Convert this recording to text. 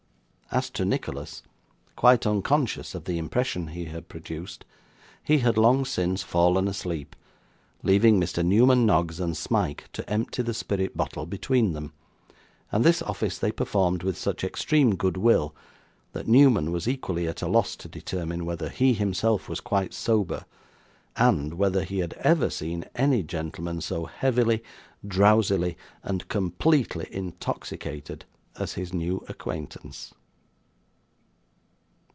As to Nicholas, quite unconscious of the impression he had produced, he had long since fallen asleep, leaving Mr. Newman Noggs and Smike to empty the spirit bottle between them; and this office they performed with such extreme good will, that Newman was equally at a loss to determine whether he himself was quite sober, and whether he had ever seen any gentleman so heavily, drowsily, and completely intoxicated as his new acquaintance.